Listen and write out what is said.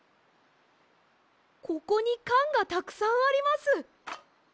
ここにかんがたくさんあります。